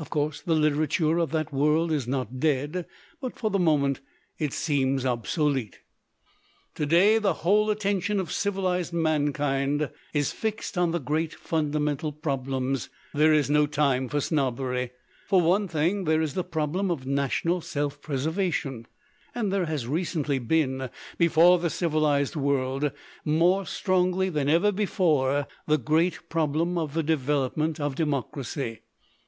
Of course the litera ture of that world is not dead, but for the moment it seems obsolete. "To day the whole attention of civilized man kind is fixed on the great fundamental problems; there is no time for snobbery. For one thing, 120 THE PASSING OF THE SNOB there is the problem of national self preservation. And there has recently been before the civilized world, more strongly than ever before, the great problem of the development of democracy.